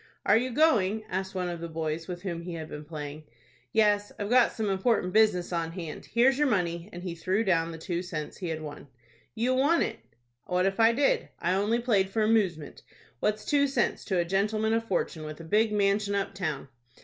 "Are you going?" asked one of the boys with whom he had been playing. "Yes, I've got some important business on hand. Here's your money;" and he threw down the two cents he had won. "You won it?" "What if I did? I only played for amoosement. What's two cents to a gentleman of fortune, with a big manshun up town?"